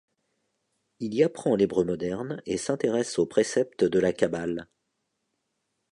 Il y apprend l'hébreu moderne et s'intéresse aux préceptes de la kabbale.